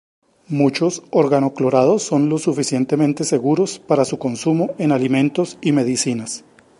Muchos organoclorados son lo suficientemente seguros para su consumo en alimentos y medicinas.